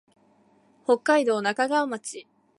北海道中川町